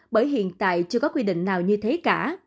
bởi hiện tại chưa có quy định nào như thế cả